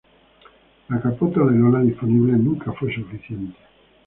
La capota de lona disponible nunca fue suficiente.